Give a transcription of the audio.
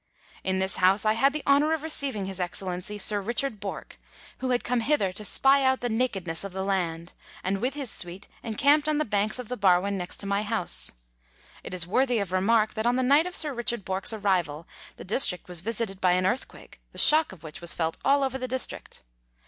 In this house I had the honour of receiving His Excellency Sir Richard Bourke, who had come hither to spy out the nakedness of the land, and with his suite encamped on the banks of the Barwon next to my house. It is worthy of remark that on the night of Sir Richard Bourke's arrival the district was visited by an earthquake, the shock of which \vas felt all over the district.